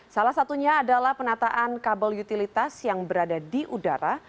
salah satunya adalah penataan kabel utilitas yang berada di udara